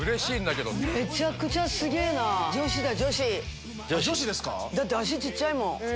だって足小っちゃいもん。